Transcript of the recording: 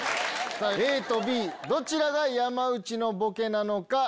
ＡとＢどちらが山内のボケなのか？